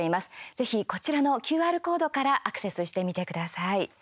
ぜひ、こちらのＱＲコードからアクセスしてみてください。